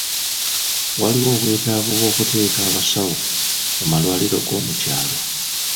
Waliwo obwetaavu bw'okuteeka abasawo mu malwaliro goomukyalo.